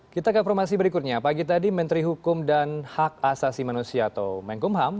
kita ke informasi berikutnya pagi tadi menteri hukum dan hak asasi manusia atau menkumham